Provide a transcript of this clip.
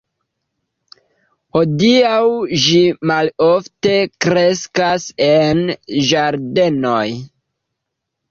Hodiaŭ ĝi malofte kreskas en ĝardenoj.